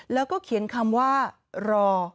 แล้วก็เขียนคำว่ารอ